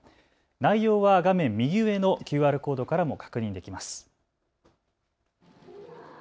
内容は画面右上のＱＲコードからも確認できます。